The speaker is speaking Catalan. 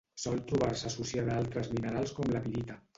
Sol trobar-se associada a altres minerals com la pirita.